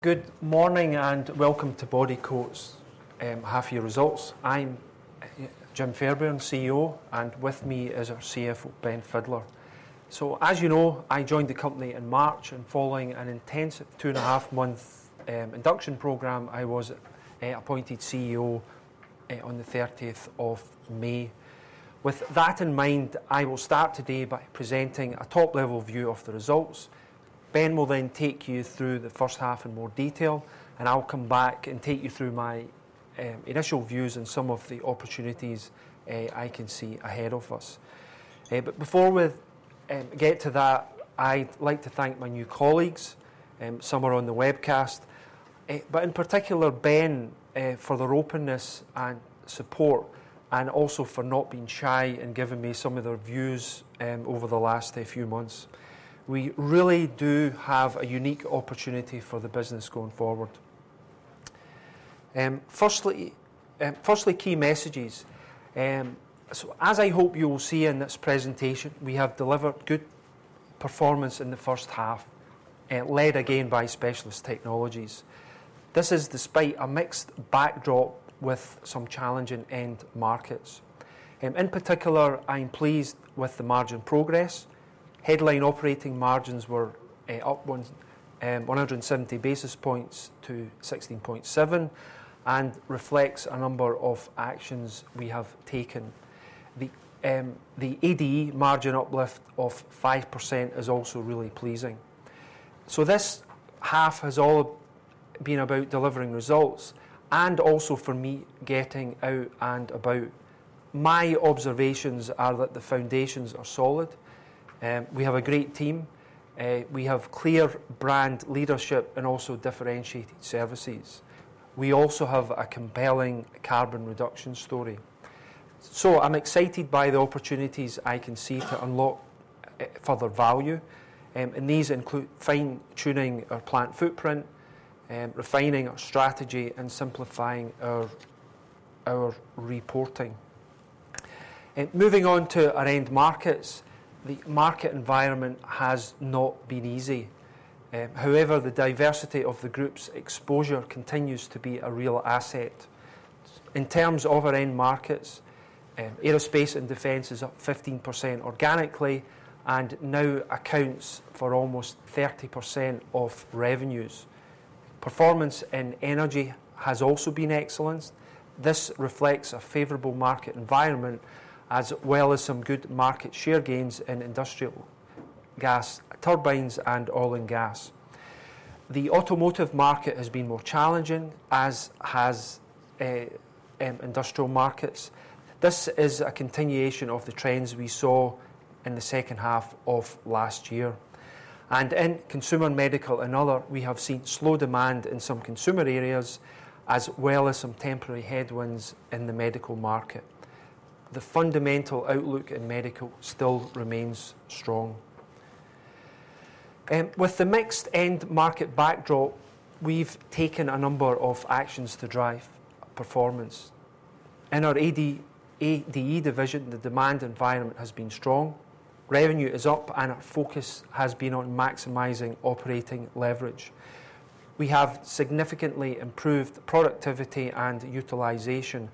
Good morning and welcome to Bodycote's half-year results. I'm Jim Fairbairn, CEO, and with me is our CFO, Ben Fidler. So, as you know, I joined the company in March, and following an intensive two-and-a-half-month induction program, I was appointed CEO on the 30th of May. With that in mind, I will start today by presenting a top-level view of the results. Ben will then take you through the first half in more detail, and I'll come back and take you through my initial views and some of the opportunities I can see ahead of us. But before we get to that, I'd like to thank my new colleagues somewhere on the webcast, but in particular, Ben, for their openness and support, and also for not being shy in giving me some of their views over the last few months. We really do have a unique opportunity for the business going forward. Firstly, key messages. So, as I hope you will see in this presentation, we have delivered good performance in the first half, led again by specialist technologies. This is despite a mixed backdrop with some challenging end markets. In particular, I'm pleased with the margin progress. Headline operating margins were up 170 basis points to 16.7%, and reflects a number of actions we have taken. The ADE margin uplift of 5% is also really pleasing. So, this half has all been about delivering results, and also for me getting out and about. My observations are that the foundations are solid. We have a great team. We have clear brand leadership and also differentiated services. We also have a compelling carbon reduction story. So, I'm excited by the opportunities I can see to unlock further value, and these include fine-tuning our plant footprint, refining our strategy, and simplifying our reporting. Moving on to our end markets, the market environment has not been easy. However, the diversity of the group's exposure continues to be a real asset. In terms of our end markets, aerospace and defense is up 15% organically, and now accounts for almost 30% of revenues. Performance in energy has also been excellent. This reflects a favorable market environment, as well as some good market share gains in industrial gas turbines and oil and gas. The automotive market has been more challenging, as have industrial markets. This is a continuation of the trends we saw in the second half of last year. In consumer, medical, and other, we have seen slow demand in some consumer areas, as well as some temporary headwinds in the medical market. The fundamental outlook in medical still remains strong. With the mixed end market backdrop, we've taken a number of actions to drive performance. In our ADE division, the demand environment has been strong. Revenue is up, and our focus has been on maximizing operating leverage. We have significantly improved productivity and utilization.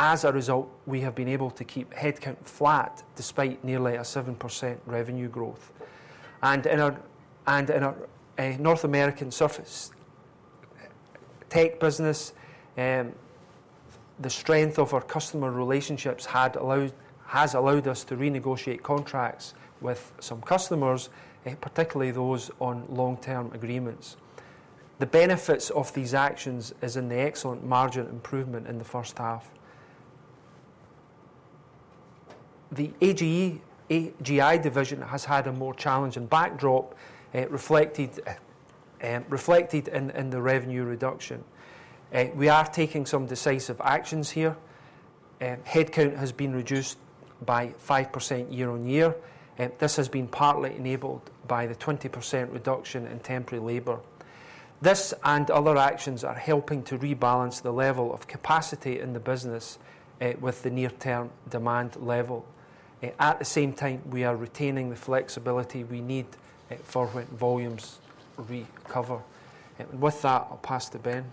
As a result, we have been able to keep headcount flat despite nearly a 7% revenue growth. In our North American surface tech business, the strength of our customer relationships has allowed us to renegotiate contracts with some customers, particularly those on long-term agreements. The benefits of these actions are in the excellent margin improvement in the first half. The AGI division has had a more challenging backdrop, reflected in the revenue reduction. We are taking some decisive actions here. Headcount has been reduced by 5% year-on-year. This has been partly enabled by the 20% reduction in temporary labor. This and other actions are helping to rebalance the level of capacity in the business with the near-term demand level. At the same time, we are retaining the flexibility we need for when volumes recover. With that, I'll pass to Ben.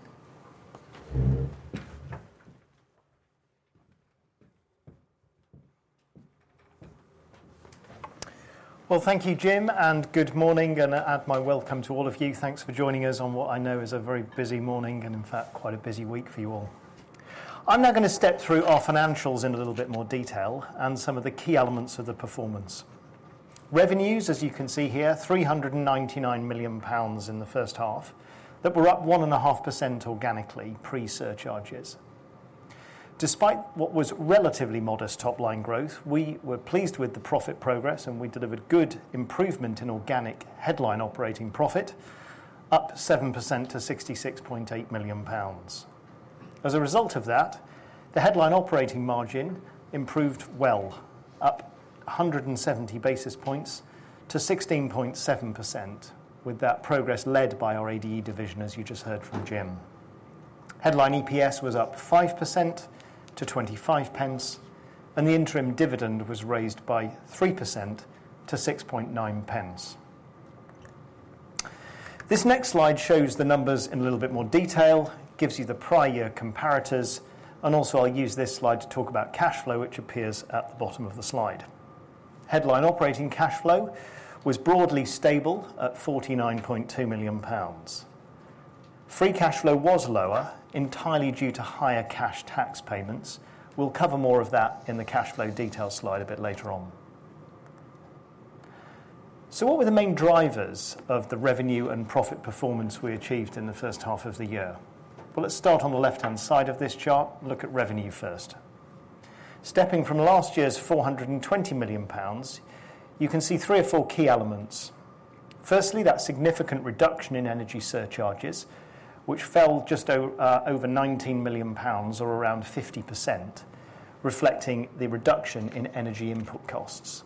Well, thank you, Jim. And good morning, and I add my welcome to all of you. Thanks for joining us on what I know is a very busy morning, and in fact, quite a busy week for you all. I'm now going to step through our financials in a little bit more detail and some of the key elements of the performance. Revenues, as you can see here, 399 million pounds in the first half, that were up 1.5% organically pre-surcharges. Despite what was relatively modest top-line growth, we were pleased with the profit progress, and we delivered good improvement in organic headline operating profit, up 7% to 66.8 million pounds. As a result of that, the headline operating margin improved well, up 170 basis points to 16.7%, with that progress led by our ADE division, as you just heard from Jim. Headline EPS was up 5% to 0.25, and the interim dividend was raised by 3% to 0.069. This next slide shows the numbers in a little bit more detail, gives you the prior year comparators, and also I'll use this slide to talk about cash flow, which appears at the bottom of the slide. Headline operating cash flow was broadly stable at 49.2 million pounds. Free cash flow was lower, entirely due to higher cash tax payments. We'll cover more of that in the cash flow detail slide a bit later on. So, what were the main drivers of the revenue and profit performance we achieved in the first half of the year? Well, let's start on the left-hand side of this chart and look at revenue first. Stepping from last year's 420 million pounds, you can see three or four key elements. Firstly, that significant reduction in energy surcharges, which fell just over 19 million pounds, or around 50%, reflecting the reduction in energy input costs.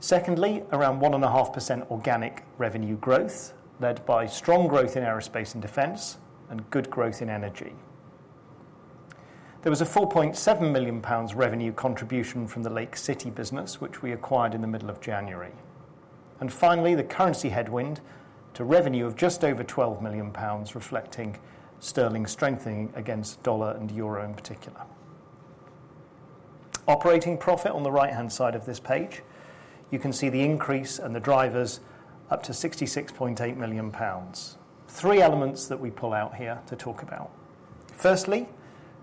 Secondly, around 1.5% organic revenue growth, led by strong growth in aerospace and defense and good growth in energy. There was a 4.7 million pounds revenue contribution from the Lake City business, which we acquired in the middle of January. Finally, the currency headwind to revenue of just over 12 million pounds, reflecting sterling strengthening against dollar and euro in particular. Operating profit on the right-hand side of this page, you can see the increase and the drivers up to 66.8 million pounds. Three elements that we pull out here to talk about. Firstly,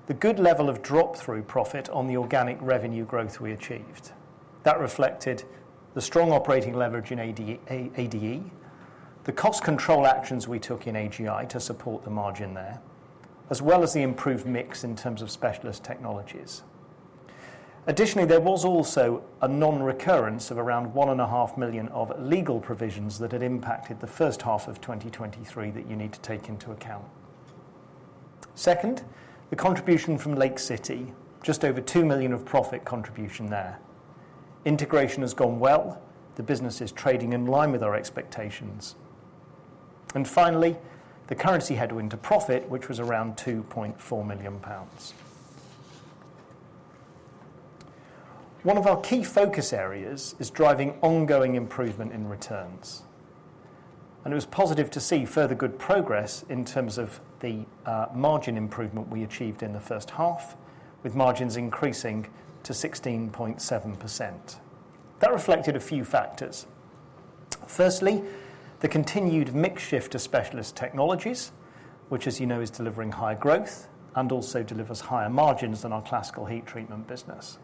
the good level of drop-through profit on the organic revenue growth we achieved. That reflected the strong operating leverage in ADE, the cost control actions we took in AGI to support the margin there, as well as the improved mix in terms of specialist technologies. Additionally, there was also a non-recurrence of around 1.5 million of legal provisions that had impacted the first half of 2023 that you need to take into account. Second, the contribution from Lake City, just over 2 million of profit contribution there. Integration has gone well. The business is trading in line with our expectations. And finally, the currency headwind to profit, which was around 2.4 million pounds. One of our key focus areas is driving ongoing improvement in returns. And it was positive to see further good progress in terms of the margin improvement we achieved in the first half, with margins increasing to 16.7%. That reflected a few factors. Firstly, the continued mix shift to specialist technologies, which, as you know, is delivering high growth and also delivers higher margins than our classical heat treatment business.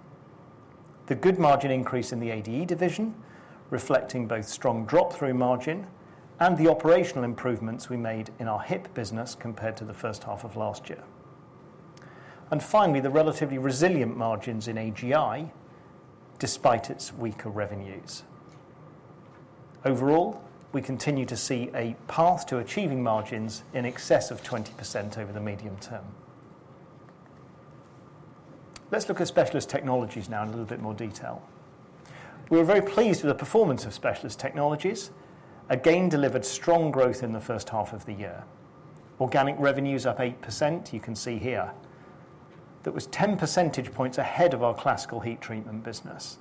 The good margin increase in the ADE division, reflecting both strong drop-through margin and the operational improvements we made in our HIP business compared to the first half of last year. And finally, the relatively resilient margins in AGI, despite its weaker revenues. Overall, we continue to see a path to achieving margins in excess of 20% over the medium term. Let's look at specialist technologies now in a little bit more detail. We were very pleased with the performance of specialist technologies. Again, delivered strong growth in the first half of the year. Organic revenues up 8%, you can see here. That was 10 percentage points ahead of our classical heat treatment business.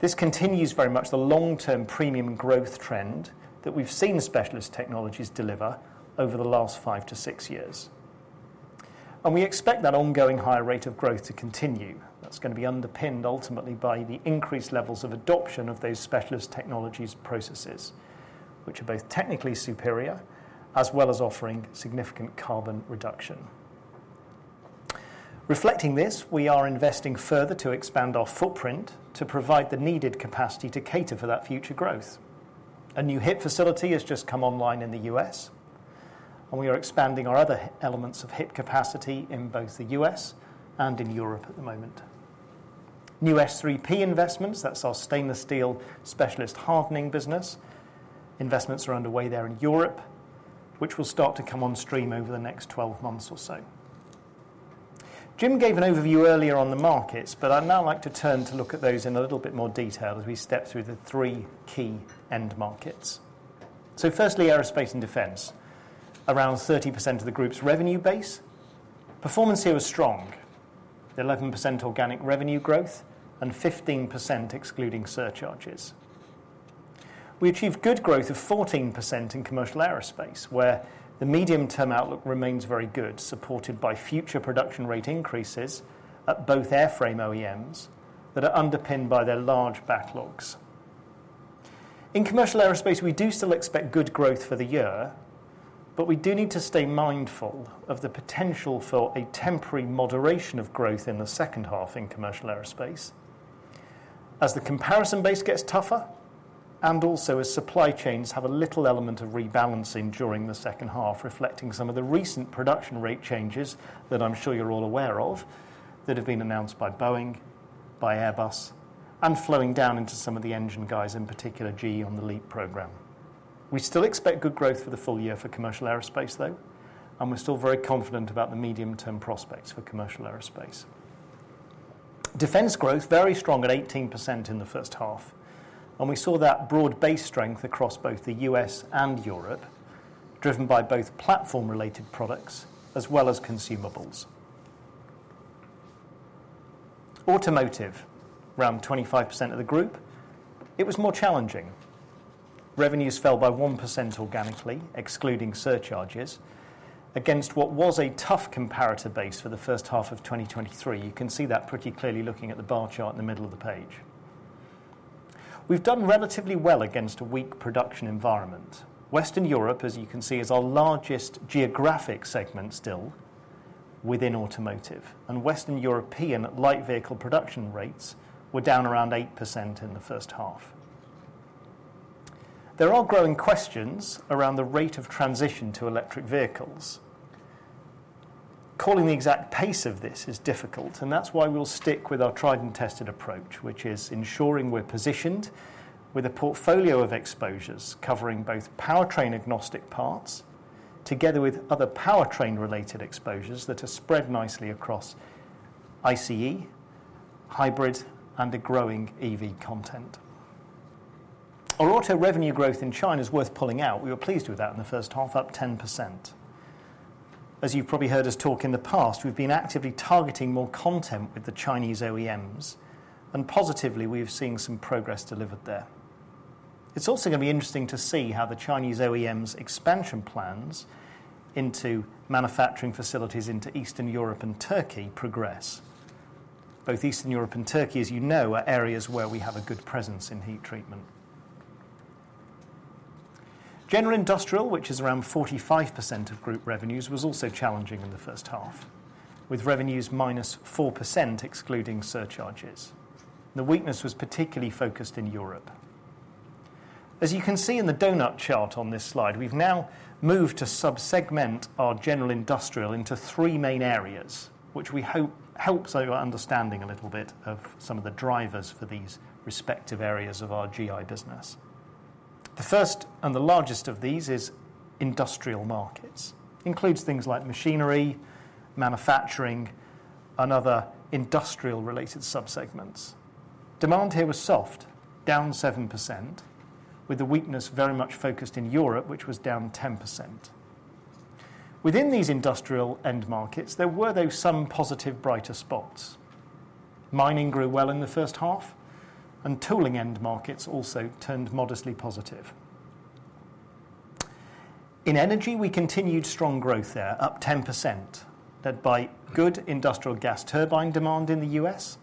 This continues very much the long-term premium growth trend that we've seen specialist technologies deliver over the last five to six years. And we expect that ongoing higher rate of growth to continue. That's going to be underpinned ultimately by the increased levels of adoption of those specialist technologies processes, which are both technically superior as well as offering significant carbon reduction. Reflecting this, we are investing further to expand our footprint to provide the needed capacity to cater for that future growth. A new HIP facility has just come online in the U.S., and we are expanding our other elements of HIP capacity in both the U.S. and in Europe at the moment. New S³P investments, that's our stainless steel specialist hardening business. Investments are underway there in Europe, which will start to come on stream over the next 12 months or so. Jim gave an overview earlier on the markets, but I'd now like to turn to look at those in a little bit more detail as we step through the three key end markets. So, firstly, aerospace and defense, around 30% of the group's revenue base. Performance here was strong, 11% organic revenue growth and 15% excluding surcharges. We achieved good growth of 14% in commercial aerospace, where the medium-term outlook remains very good, supported by future production rate increases at both airframe OEMs that are underpinned by their large backlogs. In commercial aerospace, we do still expect good growth for the year, but we do need to stay mindful of the potential for a temporary moderation of growth in the second half in commercial aerospace, as the comparison base gets tougher and also as supply chains have a little element of rebalancing during the second half, reflecting some of the recent production rate changes that I'm sure you're all aware of that have been announced by Boeing, by Airbus, and flowing down into some of the engine guys, in particular GE on the LEAP program. We still expect good growth for the full year for commercial aerospace, though, and we're still very confident about the medium-term prospects for commercial aerospace. Defense growth, very strong at 18% in the first half, and we saw that broad base strength across both the U.S. and Europe, driven by both platform-related products as well as consumables. Automotive, around 25% of the group. It was more challenging. Revenues fell by 1% organically, excluding surcharges, against what was a tough comparator base for the first half of 2023. You can see that pretty clearly looking at the bar chart in the middle of the page. We've done relatively well against a weak production environment. Western Europe, as you can see, is our largest geographic segment still within automotive, and Western European light vehicle production rates were down around 8% in the first half. There are growing questions around the rate of transition to electric vehicles. Calling the exact pace of this is difficult, and that's why we'll stick with our tried and tested approach, which is ensuring we're positioned with a portfolio of exposures covering both powertrain agnostic parts, together with other powertrain-related exposures that are spread nicely across ICE, hybrid, and a growing EV content. Our auto revenue growth in China is worth pulling out. We were pleased with that in the first half, up 10%. As you've probably heard us talk in the past, we've been actively targeting more content with the Chinese OEMs, and positively, we've seen some progress delivered there. It's also going to be interesting to see how the Chinese OEMs' expansion plans into manufacturing facilities into Eastern Europe and Turkey progress. Both Eastern Europe and Turkey, as you know, are areas where we have a good presence in heat treatment. General Industrial, which is around 45% of group revenues, was also challenging in the first half, with revenues -4% excluding surcharges. The weakness was particularly focused in Europe. As you can see in the donut chart on this slide, we've now moved to subsegment our General Industrial into three main areas, which we hope helps our understanding a little bit of some of the drivers for these respective areas of our GI business. The first and the largest of these is industrial markets. It includes things like machinery, manufacturing, and other industrial-related subsegments. Demand here was soft, down 7%, with the weakness very much focused in Europe, which was down 10%. Within these industrial end markets, there were, though, some positive brighter spots. Mining grew well in the first half, and tooling end markets also turned modestly positive. In energy, we continued strong growth there, up 10%, led by good industrial gas turbine demand in the U.S.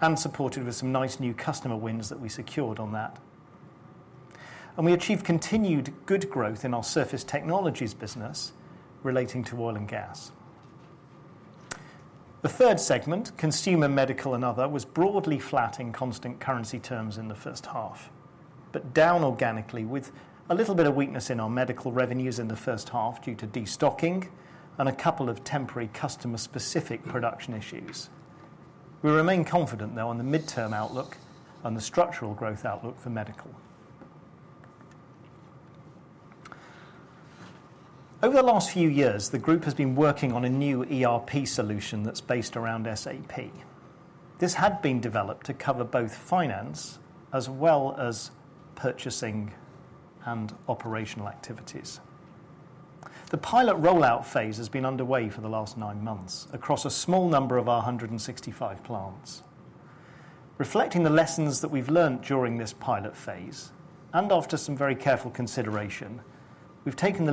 and supported with some nice new customer wins that we secured on that. We achieved continued good growth in our surface technologies business relating to oil and gas. The third segment, consumer, medical, and other, was broadly flat in constant currency terms in the first half, but down organically with a little bit of weakness in our medical revenues in the first half due to destocking and a couple of temporary customer-specific production issues. We remain confident, though, on the midterm outlook and the structural growth outlook for medical. Over the last few years, the group has been working on a new ERP solution that's based around SAP. This had been developed to cover both finance as well as purchasing and operational activities. The pilot rollout phase has been underway for the last nine months across a small number of our 165 plants. Reflecting the lessons that we've learned during this pilot phase and after some very careful consideration, we've taken the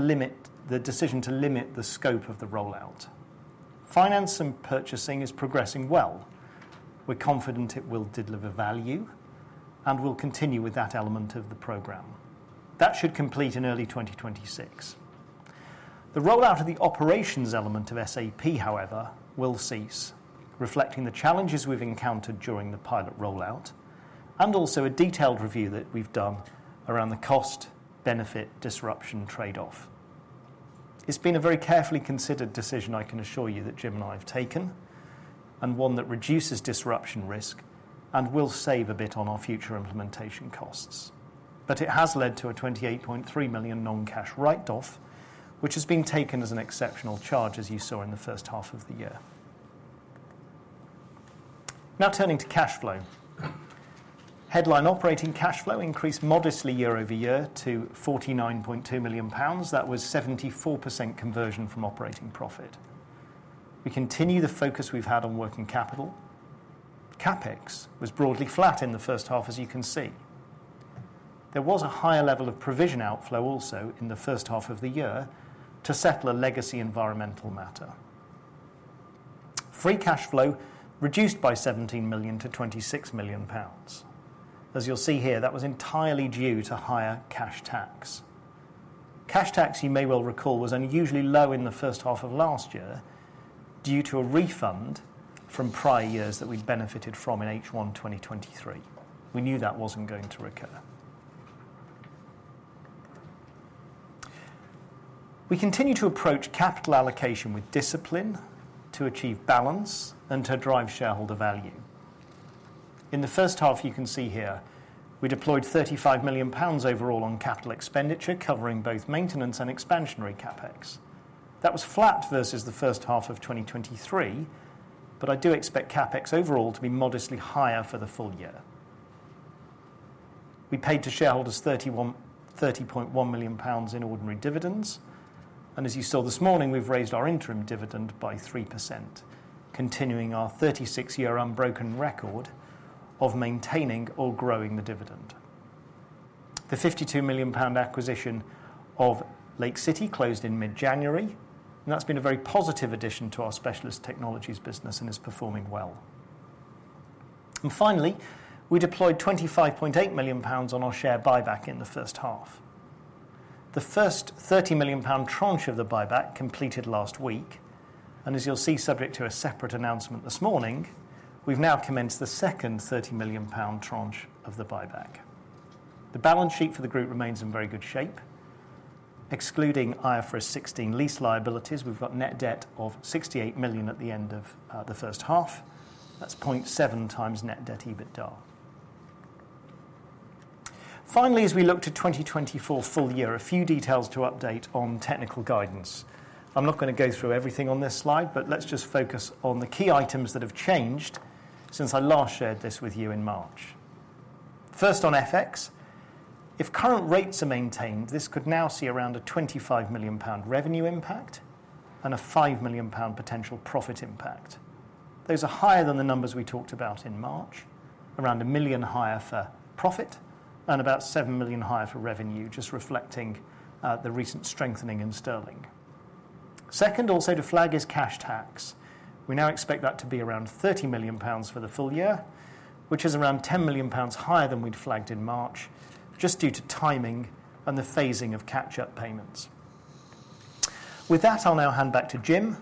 decision to limit the scope of the rollout. Finance and purchasing is progressing well. We're confident it will deliver value and will continue with that element of the program. That should complete in early 2026. The rollout of the operations element of SAP, however, will cease, reflecting the challenges we've encountered during the pilot rollout and also a detailed review that we've done around the cost-benefit disruption trade-off. It's been a very carefully considered decision, I can assure you, that Jim and I have taken and one that reduces disruption risk and will save a bit on our future implementation costs. But it has led to a 28.3 million non-cash write-off, which has been taken as an exceptional charge, as you saw in the first half of the year. Now turning to cash flow. Headline operating cash flow increased modestly year-over-year to 49.2 million pounds. That was 74% conversion from operating profit. We continue the focus we've had on working capital. CapEx was broadly flat in the first half, as you can see. There was a higher level of provision outflow also in the first half of the year to settle a legacy environmental matter. Free cash flow reduced by 17 million-26 million pounds. As you'll see here, that was entirely due to higher cash tax. Cash tax, you may well recall, was unusually low in the first half of last year due to a refund from prior years that we'd benefited from in H1 2023. We knew that wasn't going to recur. We continue to approach capital allocation with discipline to achieve balance and to drive shareholder value. In the first half, you can see here, we deployed 35 million pounds overall on capital expenditure, covering both maintenance and expansionary CapEx. That was flat versus the first half of 2023, but I do expect CapEx overall to be modestly higher for the full year. We paid to shareholders 30.1 million pounds in ordinary dividends, and as you saw this morning, we've raised our interim dividend by 3%, continuing our 36-year unbroken record of maintaining or growing the dividend. The 52 million pound acquisition of Lake City closed in mid-January, and that's been a very positive addition to our specialist technologies business and is performing well. And finally, we deployed 25.8 million pounds on our share buyback in the first half. The first 30 million pound tranche of the buyback completed last week, and as you'll see, subject to a separate announcement this morning, we've now commenced the second 30 million pound tranche of the buyback. The balance sheet for the group remains in very good shape. Excluding IFRS 16 lease liabilities, we've got net debt of 68 million at the end of the first half. That's 0.7x net debt EBITDA. Finally, as we look to 2024 full year, a few details to update on technical guidance. I'm not going to go through everything on this slide, but let's just focus on the key items that have changed since I last shared this with you in March. First, on FX, if current rates are maintained, this could now see around a 25 million pound revenue impact and a 5 million pound potential profit impact. Those are higher than the numbers we talked about in March, around 1 million higher for profit and about 7 million higher for revenue, just reflecting the recent strengthening in sterling. Second, also to flag is cash tax. We now expect that to be around 30 million pounds for the full year, which is around 10 million pounds higher than we'd flagged in March, just due to timing and the phasing of catch-up payments. With that, I'll now hand back to Jim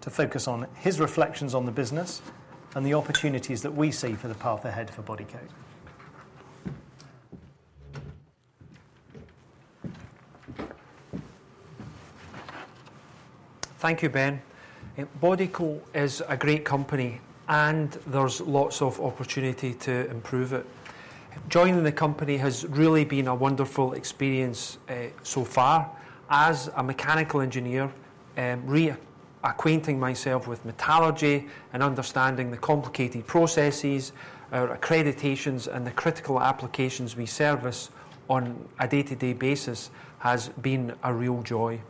to focus on his reflections on the business and the opportunities that we see for the path ahead for Bodycote. Thank you, Ben. Bodycote is a great company, and there's lots of opportunity to improve it. Joining the company has really been a wonderful experience so far. As a mechanical engineer, reacquainting myself with metallurgy and understanding the complicated processes, our accreditations, and the critical applications we service on a day-to-day basis has been a real joy.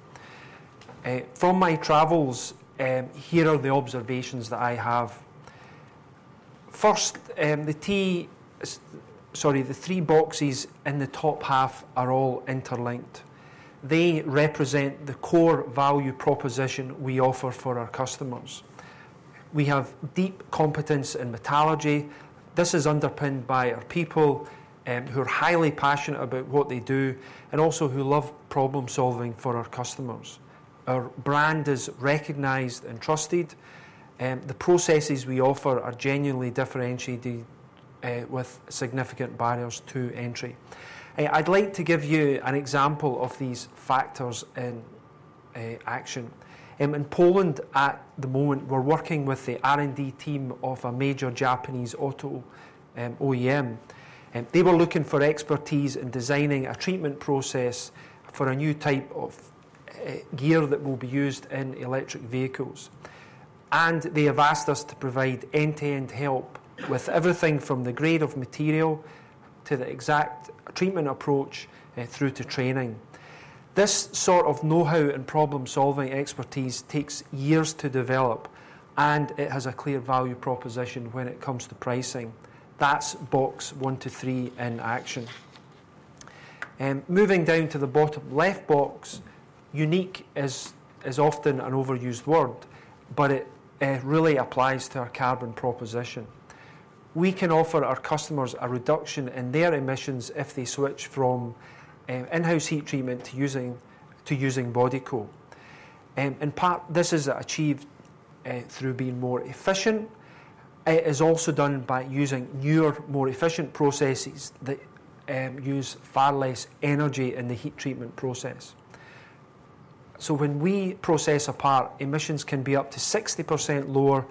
From my travels, here are the observations that I have. First, the three boxes in the top half are all interlinked. They represent the core value proposition we offer for our customers. We have deep competence in metallurgy. This is underpinned by our people who are highly passionate about what they do and also who love problem-solving for our customers. Our brand is recognized and trusted. The processes we offer are genuinely differentiated with significant barriers to entry. I'd like to give you an example of these factors in action. In Poland, at the moment, we're working with the R&D team of a major Japanese auto OEM. They were looking for expertise in designing a treatment process for a new type of gear that will be used in electric vehicles. They have asked us to provide end-to-end help with everything from the grade of material to the exact treatment approach through to training. This sort of know-how and problem-solving expertise takes years to develop, and it has a clear value proposition when it comes to pricing. That's box one to three in action. Moving down to the bottom left box, unique is often an overused word, but it really applies to our carbon proposition. We can offer our customers a reduction in their emissions if they switch from in-house heat treatment to using Bodycote. In part, this is achieved through being more efficient. It is also done by using newer, more efficient processes that use far less energy in the heat treatment process. So when we process a part, emissions can be up to 60% lower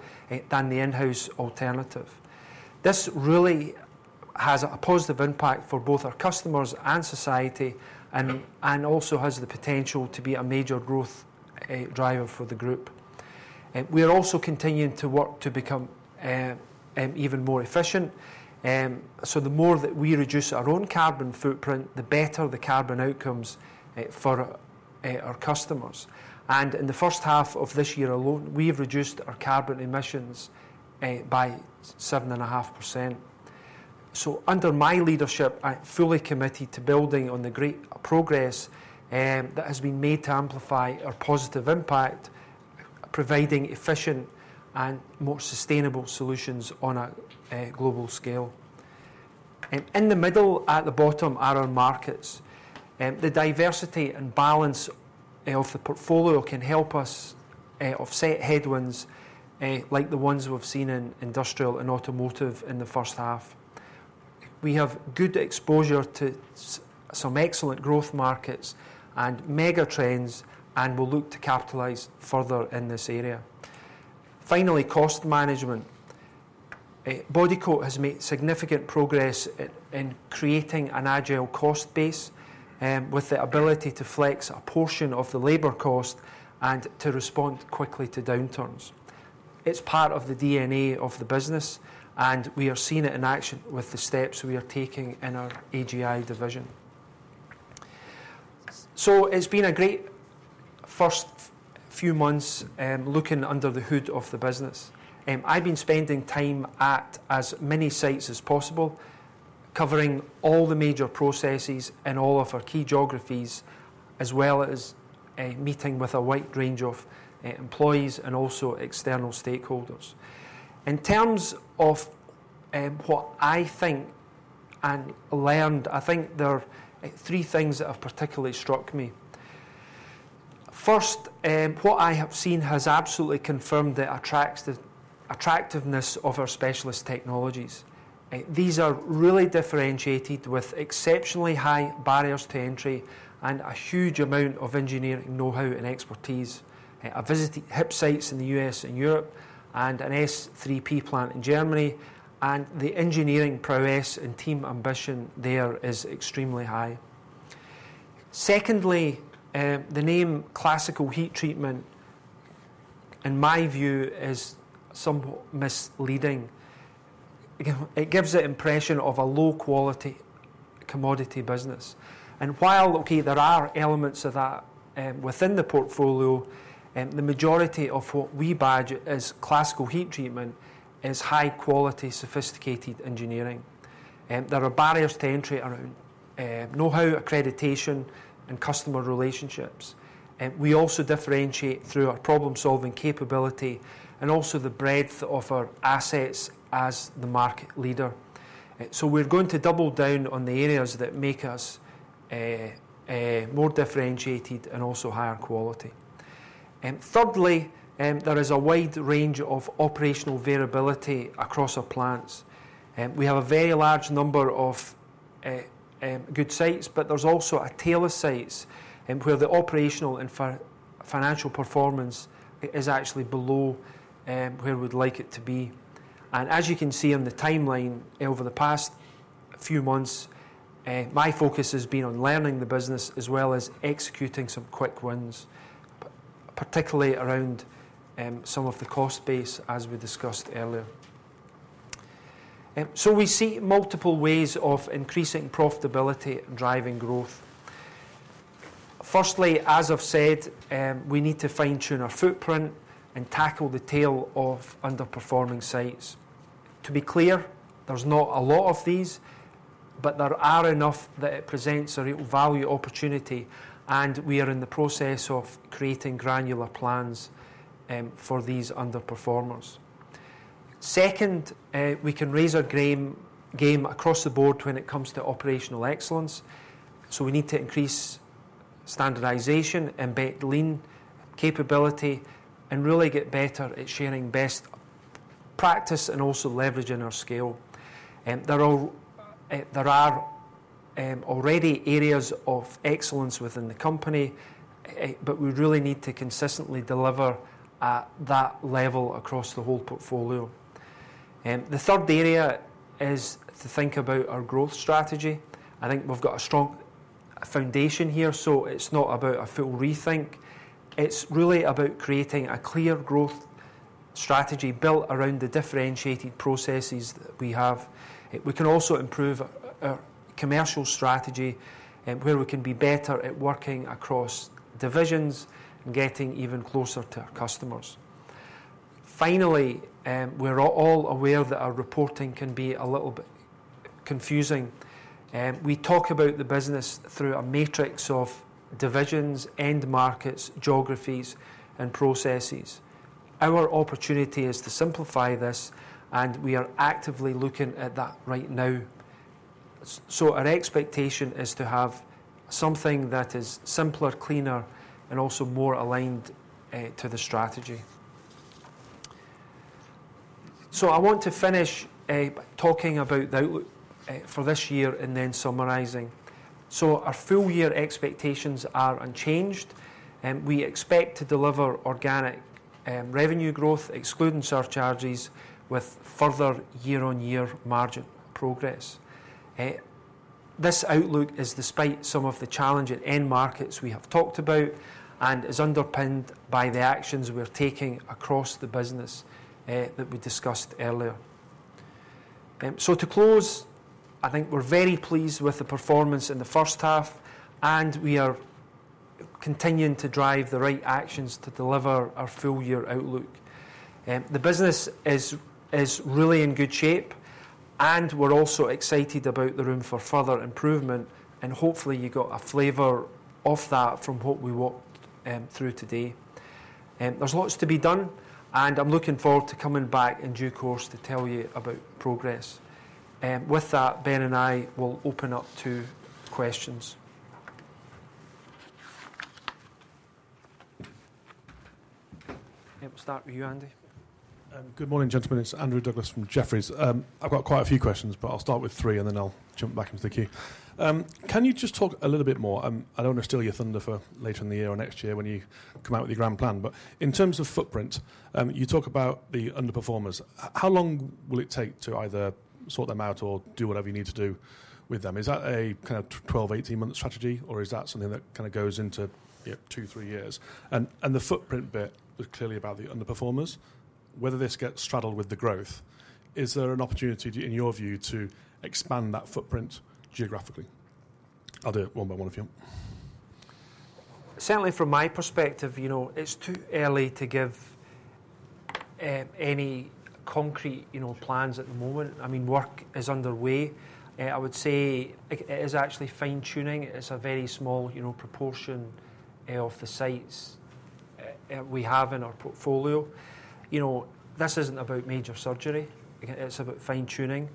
than the in-house alternative. This really has a positive impact for both our customers and society and also has the potential to be a major growth driver for the group. We are also continuing to work to become even more efficient. So the more that we reduce our own carbon footprint, the better the carbon outcomes for our customers. And in the first half of this year alone, we have reduced our carbon emissions by 7.5%. So under my leadership, I'm fully committed to building on the great progress that has been made to amplify our positive impact, providing efficient and more sustainable solutions on a global scale. In the middle, at the bottom, are our markets. The diversity and balance of the portfolio can help us offset headwinds like the ones we've seen in industrial and automotive in the first half. We have good exposure to some excellent growth markets and megatrends, and we'll look to capitalize further in this area. Finally, cost management. Bodycote has made significant progress in creating an agile cost base with the ability to flex a portion of the labor cost and to respond quickly to downturns. It's part of the DNA of the business, and we are seeing it in action with the steps we are taking in our AGI division. So it's been a great first few months looking under the hood of the business. I've been spending time at as many sites as possible, covering all the major processes in all of our key geographies, as well as meeting with a wide range of employees and also external stakeholders. In terms of what I think and learned, I think there are three things that have particularly struck me. First, what I have seen has absolutely confirmed the attractiveness of our specialist technologies. These are really differentiated with exceptionally high barriers to entry and a huge amount of engineering know-how and expertise. I've visited HIP sites in the U.S. and Europe and an S³P plant in Germany, and the engineering prowess and team ambition there is extremely high. Secondly, the name classical heat treatment, in my view, is somewhat misleading. It gives the impression of a low-quality commodity business. And while, okay, there are elements of that within the portfolio, the majority of what we badge as classical heat treatment is high-quality, sophisticated engineering. There are barriers to entry around know-how, accreditation, and customer relationships. We also differentiate through our problem-solving capability and also the breadth of our assets as the market leader. So we're going to double down on the areas that make us more differentiated and also higher quality. Thirdly, there is a wide range of operational variability across our plants. We have a very large number of good sites, but there's also a tail of sites where the operational and financial performance is actually below where we'd like it to be. As you can see on the timeline over the past few months, my focus has been on learning the business as well as executing some quick wins, particularly around some of the cost base as we discussed earlier. We see multiple ways of increasing profitability and driving growth. Firstly, as I've said, we need to fine-tune our footprint and tackle the tail of underperforming sites. To be clear, there's not a lot of these, but there are enough that it presents a real value opportunity, and we are in the process of creating granular plans for these underperformers. Second, we can raise our game across the board when it comes to operational excellence. We need to increase standardization and better lean capability and really get better at sharing best practice and also leveraging our scale. There are already areas of excellence within the company, but we really need to consistently deliver at that level across the whole portfolio. The third area is to think about our growth strategy. I think we've got a strong foundation here, so it's not about a full rethink. It's really about creating a clear growth strategy built around the differentiated processes that we have. We can also improve our commercial strategy where we can be better at working across divisions and getting even closer to our customers. Finally, we're all aware that our reporting can be a little bit confusing. We talk about the business through a matrix of divisions, end markets, geographies, and processes. Our opportunity is to simplify this, and we are actively looking at that right now. So our expectation is to have something that is simpler, cleaner, and also more aligned to the strategy. So I want to finish talking about the outlook for this year and then summarizing. Our full year expectations are unchanged. We expect to deliver organic revenue growth, excluding surcharges, with further year-on-year margin progress. This outlook is despite some of the challenging end markets we have talked about and is underpinned by the actions we're taking across the business that we discussed earlier. To close, I think we're very pleased with the performance in the first half, and we are continuing to drive the right actions to deliver our full year outlook. The business is really in good shape, and we're also excited about the room for further improvement, and hopefully you got a flavor of that from what we walked through today. There's lots to be done, and I'm looking forward to coming back in due course to tell you about progress. With that, Ben and I will open up to questions. We'll start with you, Andy. Good morning, gentlemen. It's Andrew Douglas from Jefferies. I've got quite a few questions, but I'll start with 3 and then I'll jump back into the queue. Can you just talk a little bit more? I don't want to steal your thunder for later in the year or next year when you come out with your grand plan. But in terms of footprint, you talk about the underperformers. How long will it take to either sort them out or do whatever you need to do with them? Is that a kind of 12, 18-month strategy, or is that something that kind of goes into 2, 3 years? And the footprint bit was clearly about the underperformers. Whether this gets straddled with the growth, is there an opportunity, in your view, to expand that footprint geographically? I'll do it one by one if you want. Certainly, from my perspective, it's too early to give any concrete plans at the moment. I mean, work is underway. I would say it is actually fine-tuning. It's a very small proportion of the sites we have in our portfolio. This isn't about major surgery. It's about fine-tuning.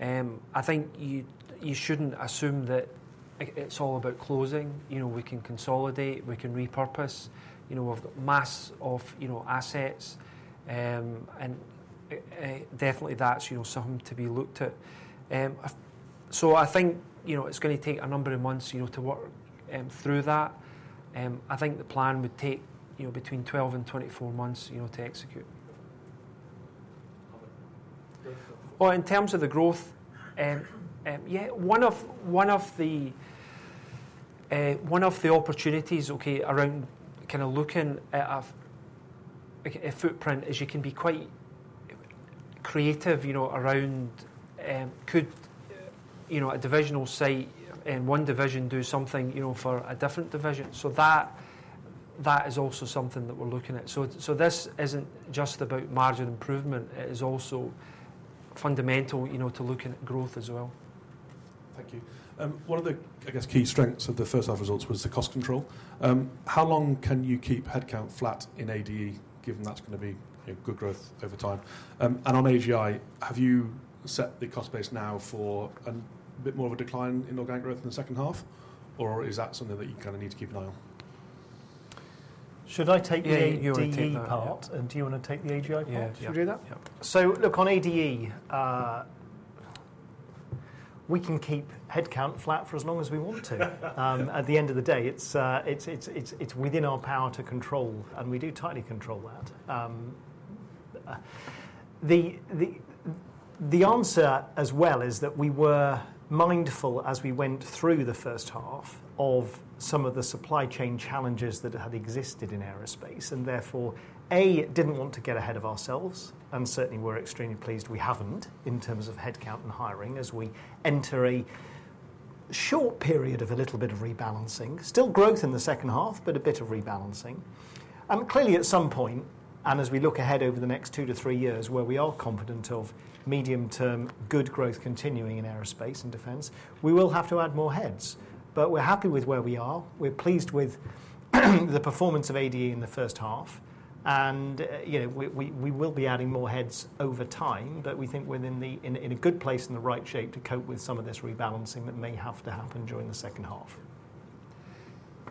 I think you shouldn't assume that it's all about closing. We can consolidate. We can repurpose. We've got mass of assets, and definitely that's something to be looked at. So I think it's going to take a number of months to work through that. I think the plan would take between 12 and 24 months to execute. Well, in terms of the growth, yeah, one of the opportunities around kind of looking at a footprint is you can be quite creative around could a divisional site in one division do something for a different division? So that is also something that we're looking at. So this isn't just about margin improvement. It is also fundamental to looking at growth as well. Thank you. One of the, I guess, key strengths of the first-half results was the cost control. How long can you keep headcount flat in ADE, given that's going to be good growth over time? And on AGI, have you set the cost base now for a bit more of a decline in organic growth in the second half, or is that something that you kind of need to keep an eye on? Should I take the AGI part. Do you want to take the AGI part? Should we do that? So look, on ADE, we can keep headcount flat for as long as we want to. At the end of the day, it's within our power to control, and we do tightly control that. The answer as well is that we were mindful as we went through the first half of some of the supply chain challenges that had existed in aerospace, and therefore, A, didn't want to get ahead of ourselves, and certainly we're extremely pleased we haven't in terms of headcount and hiring as we enter a short period of a little bit of rebalancing. Still growth in the second half, but a bit of rebalancing. Clearly, at some point, and as we look ahead over the next two to three years where we are confident of medium-term good growth continuing in aerospace and defense, we will have to add more heads. But we're happy with where we are. We're pleased with the performance of ADE in the first half, and we will be adding more heads over time, but we think we're in a good place in the right shape to cope with some of this rebalancing that may have to happen during the second half.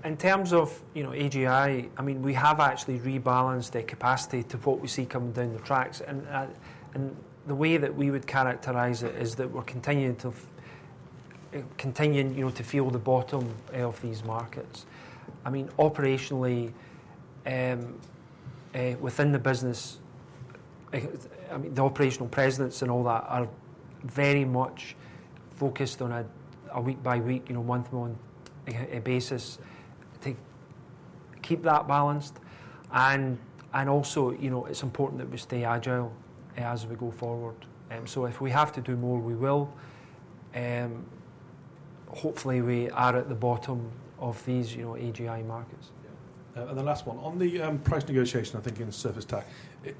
In terms of AGI, I mean, we have actually rebalanced their capacity to what we see coming down the tracks. And the way that we would characterize it is that we're continuing to feel the bottom of these markets. I mean, operationally, within the business, the operational presidents and all that are very much focused on a week-by-week, month-on-month basis to keep that balanced. And also, it's important that we stay agile as we go forward. So if we have to do more, we will. Hopefully, we are at the bottom of these AGI markets. And the last one. On the price negotiation, I think in surface tech,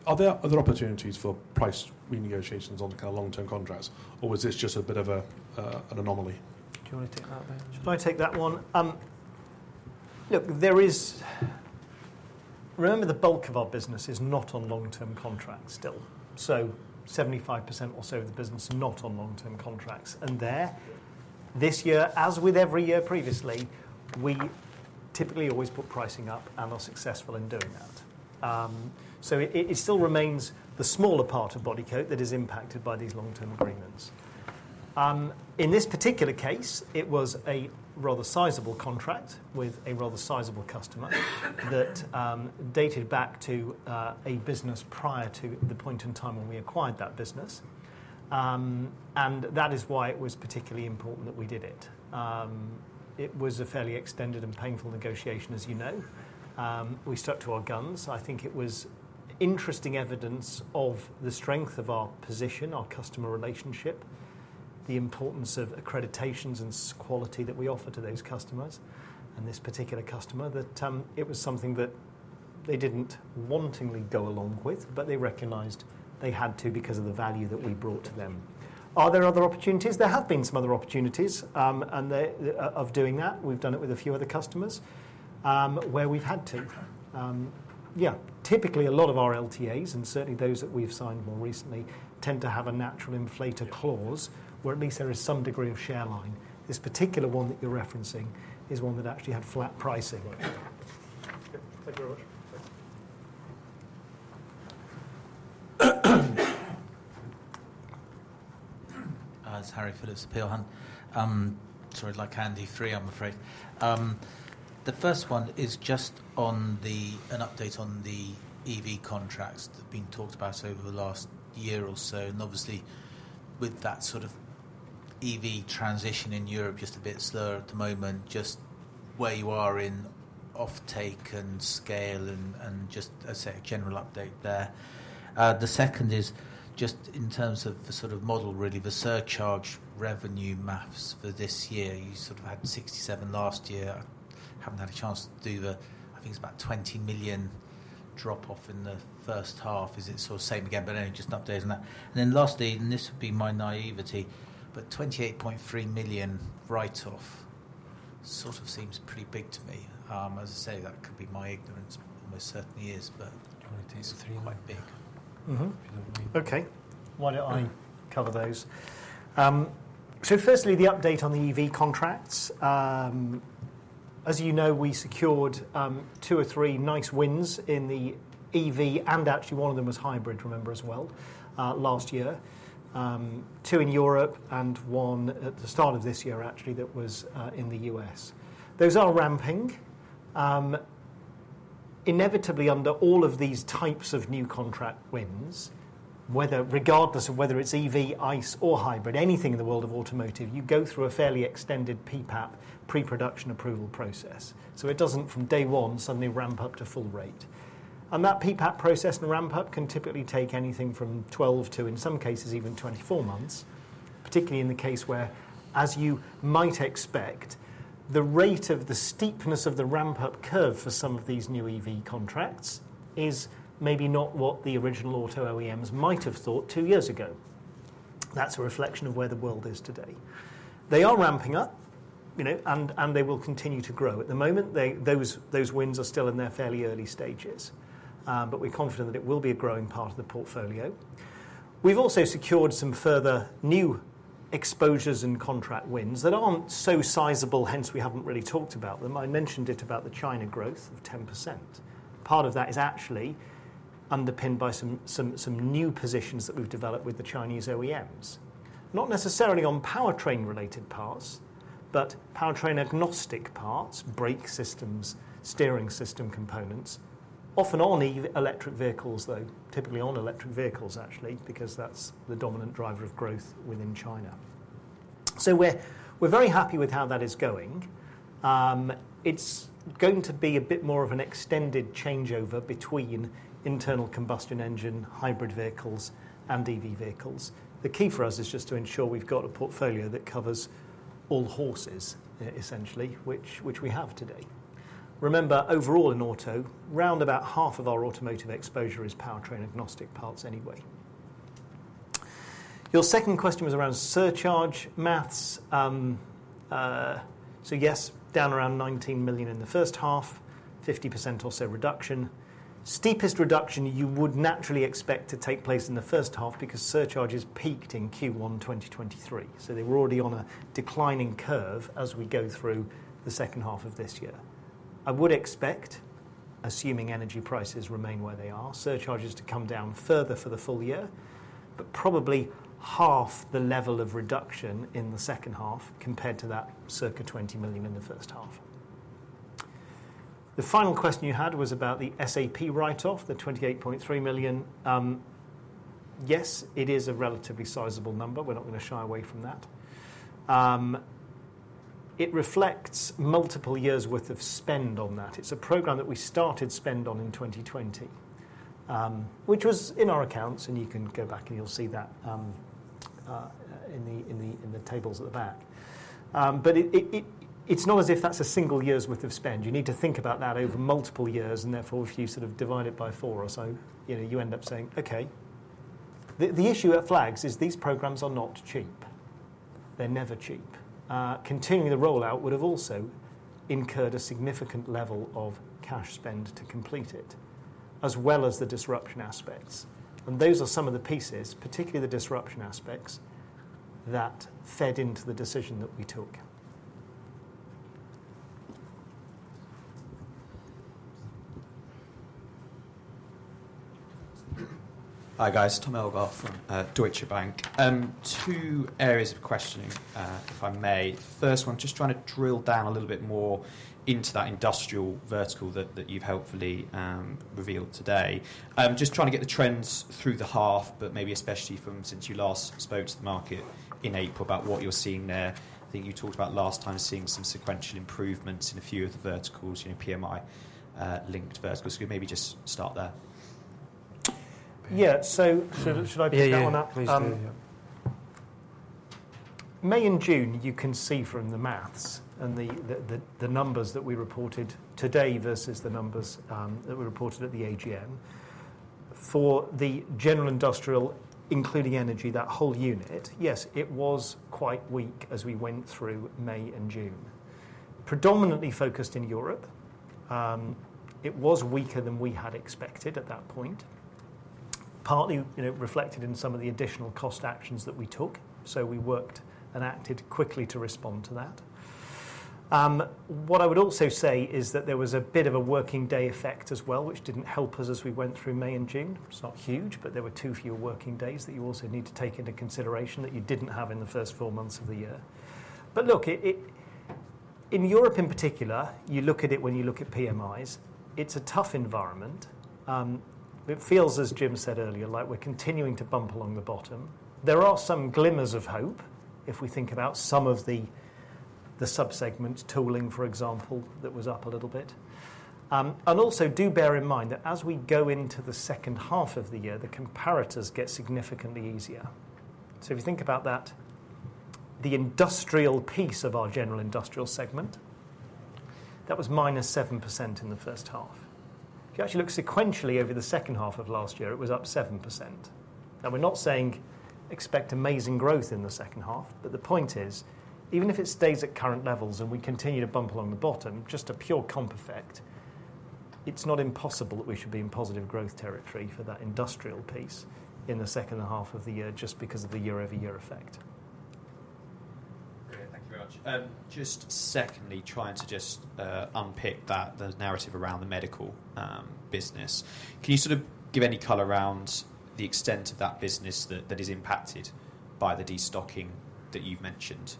are there other opportunities for price renegotiations on kind of long-term contracts, or was this just a bit of an anomaly? Do you want to take that, Ben? Should I take that one? Look, remember the bulk of our business is not on long-term contracts still. So 75% or so of the business are not on long-term contracts. And there, this year, as with every year previously, we typically always put pricing up and are successful in doing that. So it still remains the smaller part of Bodycote that is impacted by these long-term agreements. In this particular case, it was a rather sizable contract with a rather sizable customer that dated back to a business prior to the point in time when we acquired that business. And that is why it was particularly important that we did it. It was a fairly extended and painful negotiation, as you know. We stuck to our guns. I think it was interesting evidence of the strength of our position, our customer relationship, the importance of accreditations and quality that we offer to those customers and this particular customer, that it was something that they didn't wantingly go along with, but they recognized they had to because of the value that we brought to them. Are there other opportunities? There have been some other opportunities of doing that. We've done it with a few other customers where we've had to. Yeah. Typically, a lot of our LTAs, and certainly those that we've signed more recently, tend to have a natural inflation clause where at least there is some degree of sharing line. This particular one that you're referencing is one that actually had flat pricing. Thank you very much. That's Harry Philips, Peel Hunt. Sorry, like Andy three, I'm afraid. The first one is just an update on the EV contracts that have been talked about over the last year or so. And obviously, with that sort of EV transition in Europe just a bit slower at the moment, just where you are in offtake and scale and just a general update there. The second is just in terms of the sort of model, really the surcharge revenue math for this year. You sort of had 67 last year. I haven't had a chance to do the, I think it's about 20 million drop-off in the first half. Is it sort of the same again? But anyway, just an update on that. And then lastly, and this would be my naivety, but 28.3 million write-off sort of seems pretty big to me. As I say, that could be my ignorance. Almost certainly is, but. GBP 28.3 million might be big. Okay. Why don't I cover those? So firstly, the update on the EV contracts. As you know, we secured two or three nice wins in the EV, and actually one of them was hybrid, remember, as well, last year. Two in Europe and one at the start of this year, actually, that was in the U.S. Those are ramping. Inevitably, under all of these types of new contract wins, regardless of whether it's EV, ICE, or hybrid, anything in the world of automotive, you go through a fairly extended PPAP pre-production approval process. So it doesn't, from day one, suddenly ramp up to full rate. That PPAP process and ramp-up can typically take anything from 12 to, in some cases, even 24 months, particularly in the case where, as you might expect, the rate of the steepness of the ramp-up curve for some of these new EV contracts is maybe not what the original auto OEMs might have thought two years ago. That's a reflection of where the world is today. They are ramping up, and they will continue to grow. At the moment, those wins are still in their fairly early stages, but we're confident that it will be a growing part of the portfolio. We've also secured some further new exposures and contract wins that aren't so sizable, hence we haven't really talked about them. I mentioned it about the China growth of 10%. Part of that is actually underpinned by some new positions that we've developed with the Chinese OEMs. Not necessarily on powertrain-related parts, but powertrain-agnostic parts, brake systems, steering system components, often on electric vehicles, though, typically on electric vehicles, actually, because that's the dominant driver of growth within China. So we're very happy with how that is going. It's going to be a bit more of an extended changeover between internal combustion engine hybrid vehicles and EV vehicles. The key for us is just to ensure we've got a portfolio that covers all horses, essentially, which we have today. Remember, overall in auto, round about half of our automotive exposure is powertrain-agnostic parts anyway. Your second question was around surcharge maths. Yes, down around 19 million in the first half, 50% or so reduction. Steepest reduction you would naturally expect to take place in the first half because surcharges peaked in Q1 2023. They were already on a declining curve as we go through the second half of this year. I would expect, assuming energy prices remain where they are, surcharges to come down further for the full year, but probably half the level of reduction in the second half compared to that circa 20 million in the first half. The final question you had was about the SAP write-off, the 28.3 million. Yes, it is a relatively sizable number. We're not going to shy away from that. It reflects multiple years' worth of spend on that. It's a program that we started spending on in 2020, which was in our accounts, and you can go back and you'll see that in the tables at the back. But it's not as if that's a single year's worth of spend. You need to think about that over multiple years, and therefore, if you sort of divide it by four or so, you end up saying, "Okay." The issue at Flaggs is these programs are not cheap. They're never cheap. Continuing the rollout would have also incurred a significant level of cash spend to complete it, as well as the disruption aspects. And those are some of the pieces, particularly the disruption aspects, that fed into the decision that we took. Hi guys, Tom Elgar from Deutsche Bank. Two areas of questioning, if I may. First one, just trying to drill down a little bit more into that industrial vertical that you've helpfully revealed today. Just trying to get the trends through the half, but maybe especially since you last spoke to the market in April about what you're seeing there. I think you talked about last time seeing some sequential improvements in a few of the verticals, PMI-linked verticals. Could we maybe just start there? Yeah. So should I pick that one up? May and June, you can see from the math and the numbers that we reported today versus the numbers that were reported at the AGM. For the general industrial, including energy, that whole unit, yes, it was quite weak as we went through May and June. Predominantly focused in Europe, it was weaker than we had expected at that point, partly reflected in some of the additional cost actions that we took. So we worked and acted quickly to respond to that. What I would also say is that there was a bit of a working day effect as well, which didn't help us as we went through May and June. It's not huge, but there were too few working days that you also need to take into consideration that you didn't have in the first four months of the year. But look, in Europe in particular, you look at it when you look at PMIs, it's a tough environment. It feels, as Jim said earlier, like we're continuing to bump along the bottom. There are some glimmers of hope if we think about some of the subsegment tooling, for example, that was up a little bit. Also, do bear in mind that as we go into the second half of the year, the comparators get significantly easier. If you think about that, the industrial piece of our general industrial segment, that was -7% in the first half. If you actually look sequentially over the second half of last year, it was +7%. Now, we're not saying expect amazing growth in the second half, but the point is, even if it stays at current levels and we continue to bump along the bottom, just a pure comp effect, it's not impossible that we should be in positive growth territory for that industrial piece in the second half of the year just because of the year-over-year effect. Great. Thank you very much. Just secondly, trying to just unpick that, the narrative around the medical business. Can you sort of give any color around the extent of that business that is impacted by the destocking that you've mentioned?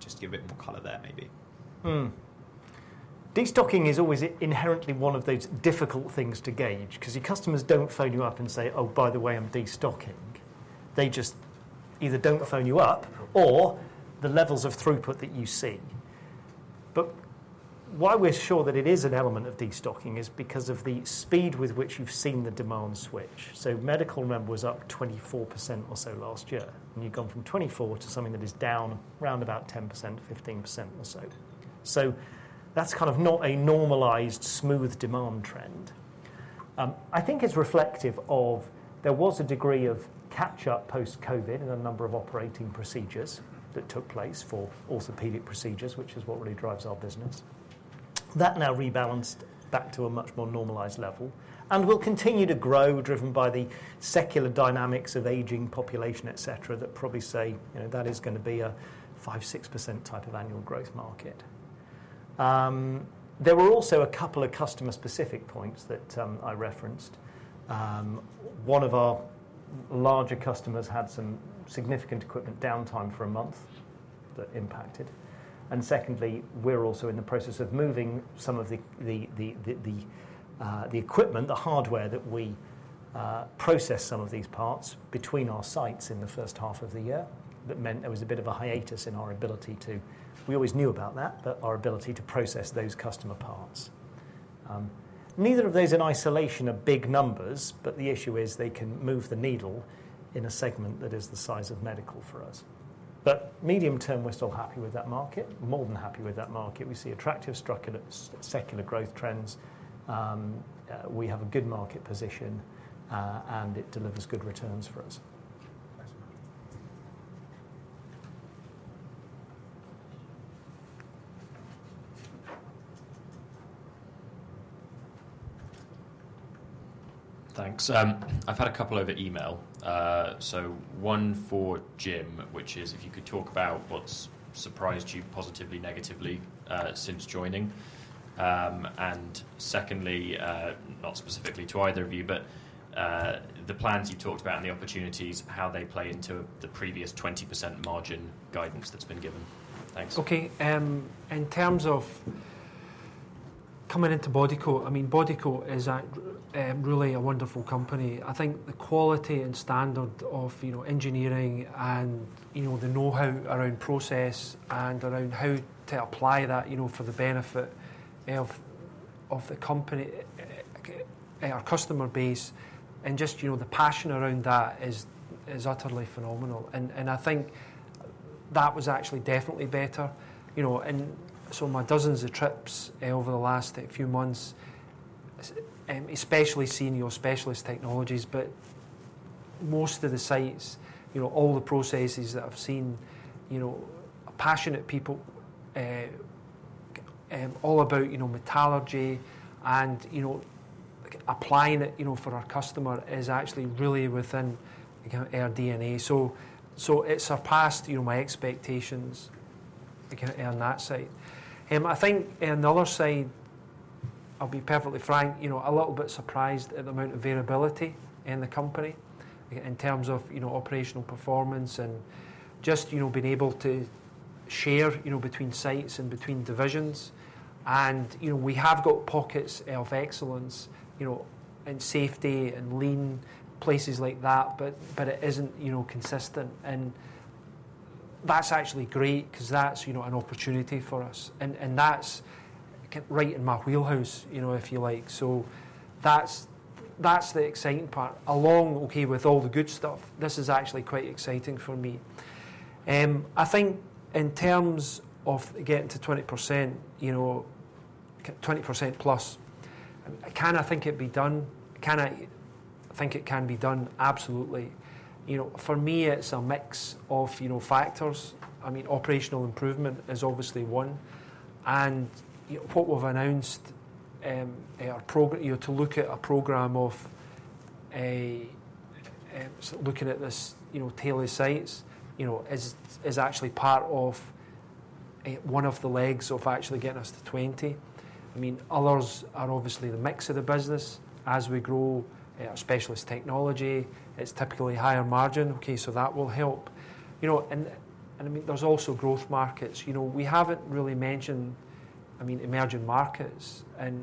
Just give a bit more color there, maybe. Destocking is always inherently one of those difficult things to gauge because your customers don't phone you up and say, "Oh, by the way, I'm destocking." They just either don't phone you up or the levels of throughput that you see. But why we're sure that it is an element of destocking is because of the speed with which you've seen the demand switch. So medical number was up 24% or so last year, and you've gone from 24 to something that is down around about 10%-15% or so. So that's kind of not a normalized smooth demand trend. I think it's reflective of there was a degree of catch-up post-COVID and a number of operating procedures that took place for orthopedic procedures, which is what really drives our business. That now rebalanced back to a much more normalized level and will continue to grow driven by the secular dynamics of aging population, etc., that probably say that is going to be a 5%-6% type of annual growth market. There were also a couple of customer-specific points that I referenced. One of our larger customers had some significant equipment downtime for a month that impacted. And secondly, we're also in the process of moving some of the equipment, the hardware that we process some of these parts between our sites in the first half of the year. That meant there was a bit of a hiatus in our ability to, we always knew about that, but our ability to process those customer parts. Neither of those in isolation are big numbers, but the issue is they can move the needle in a segment that is the size of medical for us. But medium term, we're still happy with that market, more than happy with that market. We see attractive structural secular growth trends. We have a good market position, and it delivers good returns for us. Thanks. I've had a couple over email. So one for Jim, which is if you could talk about what's surprised you positively, negatively since joining. And secondly, not specifically to either of you, but the plans you talked about and the opportunities, how they play into the previous 20% margin guidance that's been given. Thanks. Okay. In terms of coming into Bodycote, I mean, Bodycote is really a wonderful company. I think the quality and standard of engineering and the know-how around process and around how to apply that for the benefit of the company, our customer base, and just the passion around that is utterly phenomenal. And I think that was actually definitely better. And so my dozens of trips over the last few months, especially seeing your specialist technologies, but most of the sites, all the processes that I've seen, passionate people, all about metallurgy and applying it for our customer is actually really within our DNA. So it surpassed my expectations on that side. I think on the other side, I'll be perfectly frank, a little bit surprised at the amount of variability in the company in terms of operational performance and just being able to share between sites and between divisions. We have got pockets of excellence in safety and lean places like that, but it isn't consistent. That's actually great because that's an opportunity for us. That's right in my wheelhouse, if you like. So that's the exciting part. Along, okay, with all the good stuff, this is actually quite exciting for me. I think in terms of getting to 20%, 20%+, can I think it'd be done? Can I think it can be done? Absolutely. For me, it's a mix of factors. I mean, operational improvement is obviously one. What we've announced to look at a program of looking at this tail-end sites is actually part of one of the legs of actually getting us to 20%. I mean, others are obviously the mix of the business. As we grow our specialist technology, it's typically higher margin. Okay, so that will help. I mean, there's also growth markets. We haven't really mentioned, I mean, emerging markets and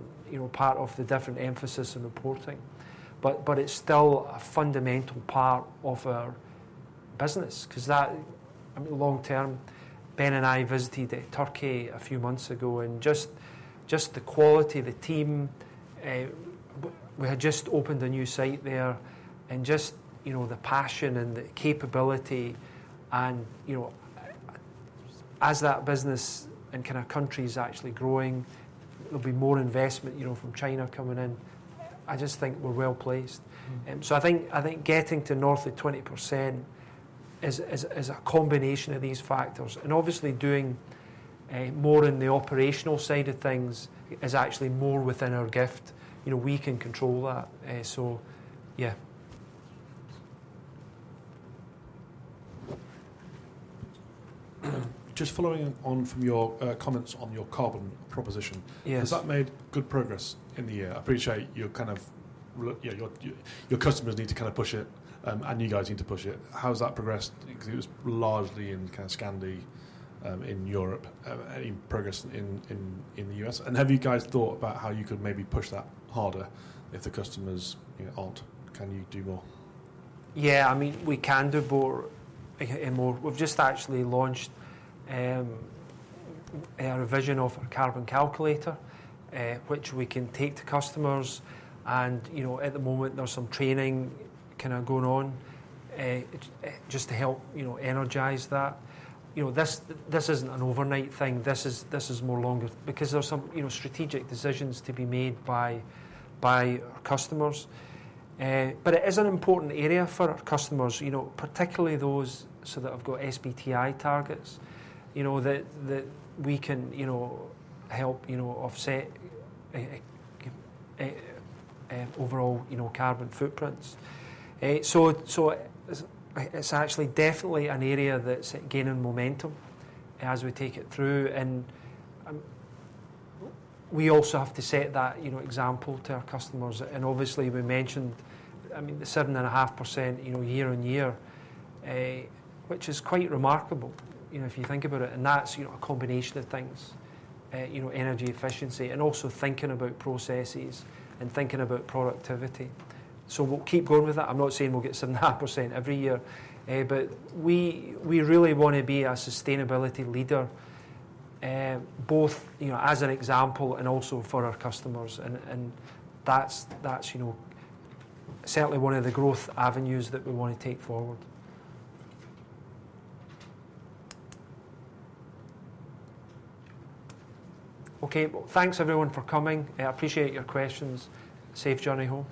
part of the different emphasis and reporting. But it's still a fundamental part of our business because that, I mean, long term, Ben and I visited Turkey a few months ago and just the quality of the team. We had just opened a new site there and just the passion and the capability. And as that business and kind of country is actually growing, there'll be more investment from China coming in. I just think we're well placed. So I think getting to north of 20% is a combination of these factors. And obviously, doing more in the operational side of things is actually more within our gift. We can control that. So yeah. Just following on from your comments on your carbon proposition, has that made good progress in the year? I appreciate your kind of, yeah, your customers need to kind of push it and you guys need to push it. How has that progressed? Because it was largely in kind of Scandi, in Europe, in progress in the U.S. Have you guys thought about how you could maybe push that harder if the customers aren't? Can you do more? Yeah. I mean, we can do more. We've just actually launched a revision of our carbon calculator, which we can take to customers. At the moment, there's some training kind of going on just to help energize that. This isn't an overnight thing. This is more longer because there are some strategic decisions to be made by our customers. But it is an important area for our customers, particularly those that have got SBTi targets that we can help offset overall carbon footprints. So it's actually definitely an area that's gaining momentum as we take it through. And we also have to set that example to our customers. And obviously, we mentioned, I mean, the 7.5% year-on-year, which is quite remarkable if you think about it. And that's a combination of things, energy efficiency, and also thinking about processes and thinking about productivity. So we'll keep going with that. I'm not saying we'll get 7.5% every year, but we really want to be a sustainability leader, both as an example and also for our customers. And that's certainly one of the growth avenues that we want to take forward. Okay. Well, thanks everyone for coming. I appreciate your questions. Safe journey home.